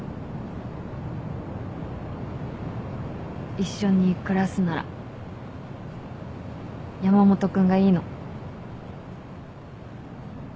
一緒に暮らすなら山本君がいいの。